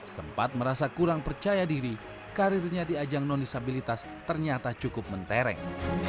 sempat merasa kurang percaya diri karirnya di ajang non disabilitas ternyata cukup mentereng